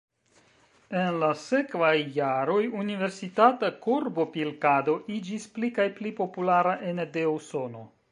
En la sekvaj jaroj universitata korbopilkado iĝis pli kaj pli populara ene de Usono.